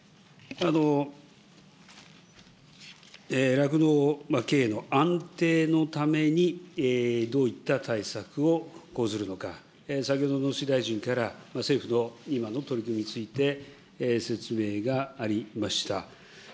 酪農経営の安定のために、どういった対策を講ずるのか、先ほど農水大臣から政府の今の取り組みについて説明がありました。